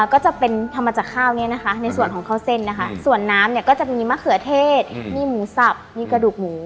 ข้าวเส้นค่ะ